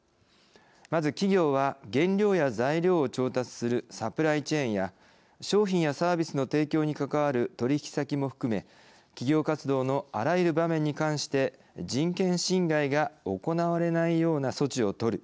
まず、企業は原料や材料を調達するサプライチェーンや商品やサービスの提供に関わる取引先も含め企業活動のあらゆる場面に関して人権侵害が行われないような措置をとる。